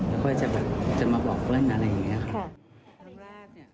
แล้วก็จะมาบอกพลังอะไรอย่างนี้ค่ะ